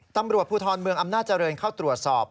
ตำรวจภูทรเมืองอำนาจเจริญเข้าตรวจสอบ